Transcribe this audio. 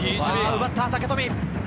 奪った武富。